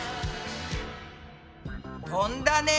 飛んだね。